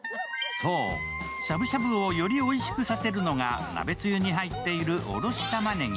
しゃぶしゃぶをよりおいしくさせるのが、鍋つゆに入っているおろし玉ねぎ。